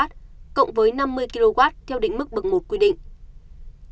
cộng với năm mươi kw theo định mức bậc một quy định